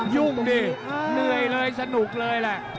ยุ่งดิเหนื่อยเลยสนุกเลยแหละ